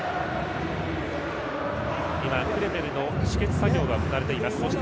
今、クレメルの止血作業が行われています。